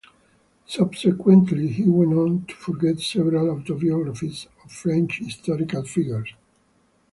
Subsequently, he went on to forge several autobiographies of French historical figures.